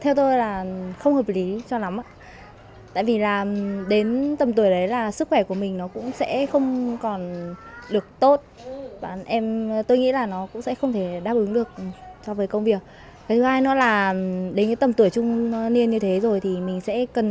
ở đây công việc môi trường nóng lực và khá mệt mỏi